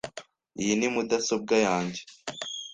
Iyi ni mudasobwa yanjye .